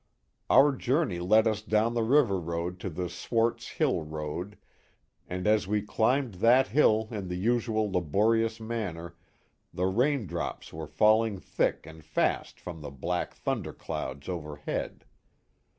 Our journey led us down the river road to the Swart's hill road, and, as we climbed that hill in the usual laborious man ner, the rain drops were falling thick and fast from the black thunder clouds overhead.